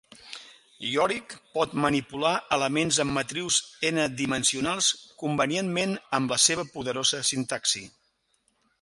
Yorick pot manipular elements en matrius N-dimensionals convenientment amb la seva poderosa sintaxi.